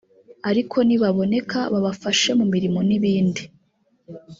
ariko nibaboneka babafashe mu mirimo n’ibindi